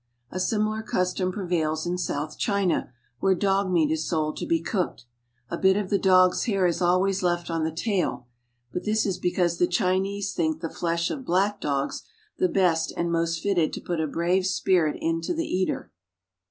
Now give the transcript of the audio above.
A similar custom prevails in South China, where dog meat is sold to be cooked. A bit of the dog's hair is always left on the tail ; but this is because the Chinese think the flesh of black dogs the best and most fitted to put a brave spirit into the eater.